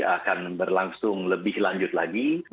akan berlangsung lebih lanjut lagi